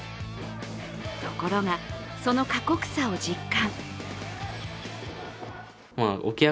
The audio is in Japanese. ところが、その過酷さを実感。